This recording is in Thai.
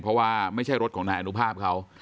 เพราะว่าไม่ใช่รถของนายอนุภาพเขา